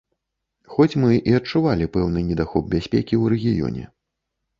Хоць мы і адчувалі пэўны недахоп бяспекі ў рэгіёне.